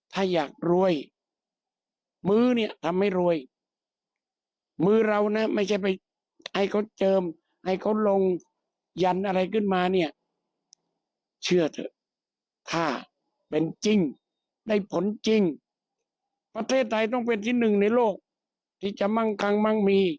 ใครอยากรวยมื้อนี้ทำให้โรยมือเราน่ะไม่ใช่ไปที่จะเจอให้เขาลงหยั่นอะไรขึ้นมาเนี่ยเชื่อเถอะถ้าเป็นจริงได้ผลจริงประเทศไทยต้องเป็นที่หนึ่งในโลกที่จะมา